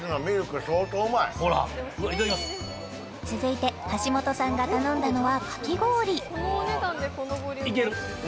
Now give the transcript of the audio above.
続いて橋本さんが頼んだのはかき氷いける！